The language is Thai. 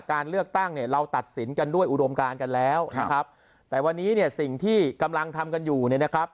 การเลือกตั้งเนี่ยเราตัดสินกันด้วยอุดมการกันแล้วนะครับแต่วันนี้เนี่ยสิ่งที่กำลังทำกันอยู่เนี่ยนะครับ